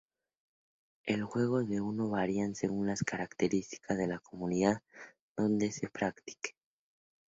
El juego de uno varía según las características de la comunidad donde se practique.